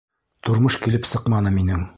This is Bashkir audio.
Тормош килеп сыҡманы минең.